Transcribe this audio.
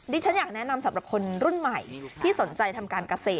ฉันอยากแนะนำสำหรับคนรุ่นใหม่ที่สนใจทำการเกษตร